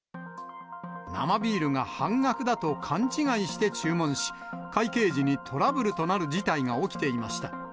生ビールが半額だと勘違いして注文し、会計時にトラブルとなる事態が起きていました。